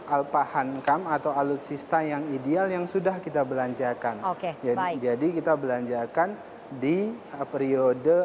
alpahankam atau alutsista yang ideal yang sudah kita belanjakan oke jadi kita belanjakan di periode